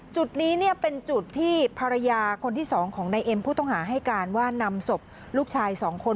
จุดนี้เนี่ยเป็นจุดที่ภรรยาคนที่๒ของนายเอ็มผู้ต้องหาให้การว่านำศพลูกชาย๒คน